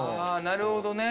なるほどね。